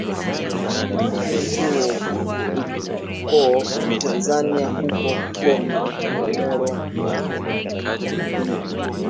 mo huu uko tanzania huko comoro nako